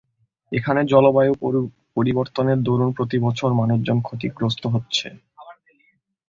এখানে জলবায়ু পরিবর্তনের দরুন প্রতিবছর মানুষজন ক্ষতিগ্রস্ত হচ্ছে।